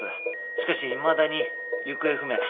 しかしいまだに行方不明。